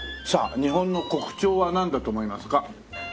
さあ日本の国鳥はなんだと思いますか？